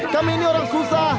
kami ini orang susah